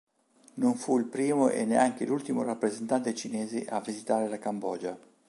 Non fu il primo e neanche l'ultimo rappresentante cinese a visitare la Cambogia.